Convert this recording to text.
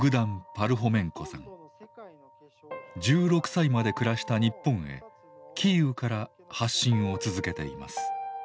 １６歳まで暮らした日本へキーウから発信を続けています。